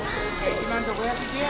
１万と５１０円